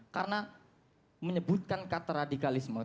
karena menyebutkan kata radikalisme